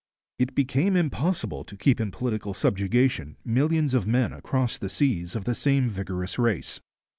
It became impossible to keep in political subjection millions of men across the seas of the same vigorous race.